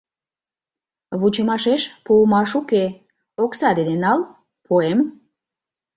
— Вучымашеш пуымаш уке, окса дене нал — пуэм.